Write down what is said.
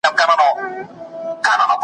تر منزله یې د مرګ لاره وهله .